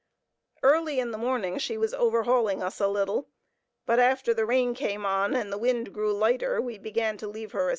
Early in the morning she was overhauling us a little, but after the rain came on and the wind grew lighter, we began to leave her astern.